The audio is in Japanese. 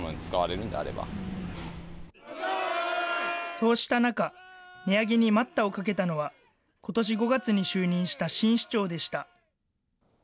そうした中、値上げに待ったをかけたのが、ことし５月に就任した新市長でした。